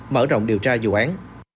mở rộng điều tra dụ án